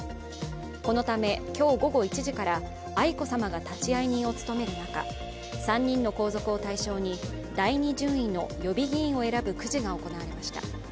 このため、今日午後１時から愛子さまが立会人を務める中、３人の皇族を対象に第２順位の予備議員を選ぶくじが行われました。